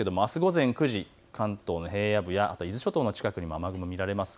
あす午前９時、関東の平野部や伊豆諸島の近くにも雨雲、見られます。